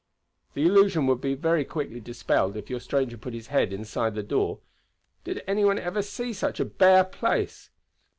"The illusion would be very quickly dispelled if your stranger put his head inside the door. Did any one ever see such a bare place?"